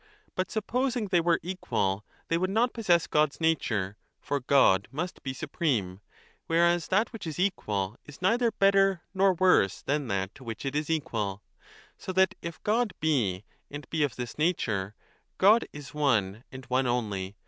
But supposing they were equal, they would not possess God s nature, for God must be supreme ; whereas that which is equal is neither better nor worse than that to which it is equal. So that if God be, and be of this nature, God is one and one only.